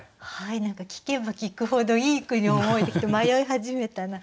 聞けば聞くほどいい句に思えてきて迷い始めたな。